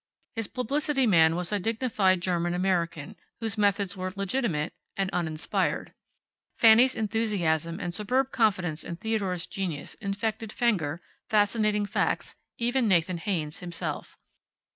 His publicity man was a dignified German American whose methods were legitimate and uninspired. Fanny's enthusiasm and superb confidence in Theodore's genius infected Fenger, Fascinating Facts, even Nathan Haynes himself.